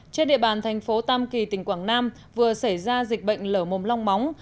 trên địa bàn thành phố tam kỳ tỉnh quảng nam vừa xảy ra dịch bệnh lở mồm long móng